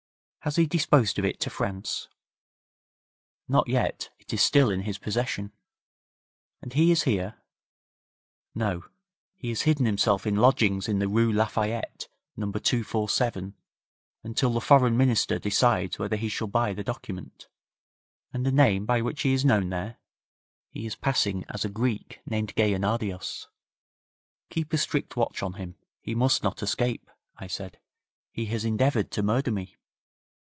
'Has he disposed of it to France?' 'Not yet. It is still in his possession.' 'And he is here?' 'No. He has hidden himself in lodgings in the Rue Lafayette, No. 247, until the Foreign Minister decides whether he shall buy the document.' 'And the name by which he is known there?' 'He is passing as a Greek named Geunadios.' 'Keep a strict watch on him. He must not escape,' I said. 'He has endeavoured to murder me.'